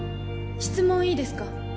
質問いいですか？